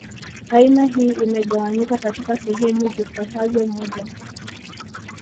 Aina hii imegawanyika katika sehemu zifuatazoMoja